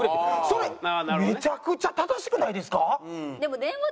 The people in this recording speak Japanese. それめちゃくちゃ正しくないですか？